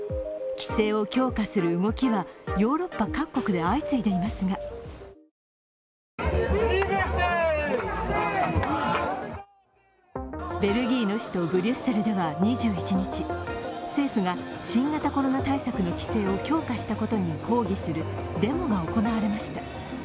規制を強化する動きはヨーロッパ各国で相次いでいますがベルギーの首都ブリュッセルでは２１日政府が新型コロナ対策の規制を強化したことに抗議するデモが行われました。